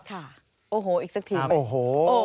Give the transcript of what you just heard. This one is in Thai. ค่ะโอ้โหอีกสักทีไหมโอ้โห